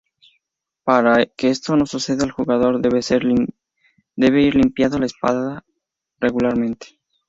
Para que esto no suceda, el jugador debe de ir limpiando la espada regularmente.